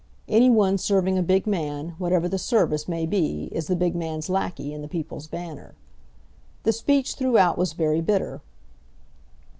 Any one serving a big man, whatever the service may be, is the big man's lacquey in the People's Banner. The speech throughout was very bitter.